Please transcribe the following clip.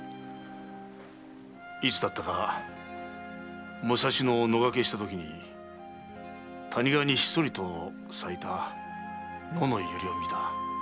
いつだったか武蔵野を野駆けしたとき谷川にひっそりと咲いた野の百合を見た。